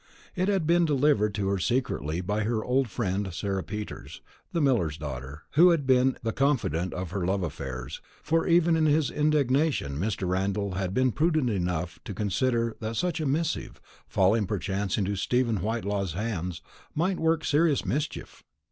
It had been delivered to her secretly by her old friend Sarah Peters, the miller's daughter, who had been the confidante of her love affairs; for even in his indignation Mr. Randall had been prudent enough to consider that such a missive, falling perchance into Stephen Whitelaw's hands, might work serious mischief.